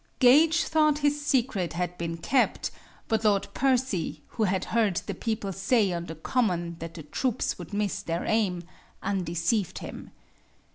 Gage thought his secret had been kept, but Lord Percy, who had heard the people say on the Common that the troops would miss their aim, undeceived him.